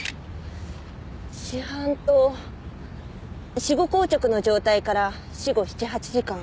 死斑と死後硬直の状態から死後７８時間。